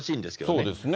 そうですね。